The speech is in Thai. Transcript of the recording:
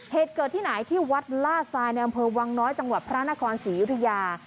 เหตุเกิดที่ไหนที่วัดล่าทรายในอำเภอวังน้อยจังหวัดพระนครศรียุธยา